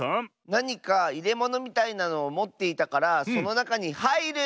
なにかいれものみたいなのをもっていたからそのなかにはいる！